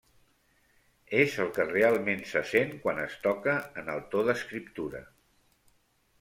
És el que realment se sent quan es toca en el to d'escriptura.